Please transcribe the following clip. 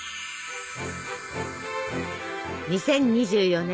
２０２４年